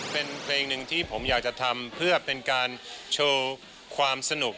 เป็นเพลงหนึ่งที่ผมอยากจะทำเพื่อเป็นการโชว์ความสนุก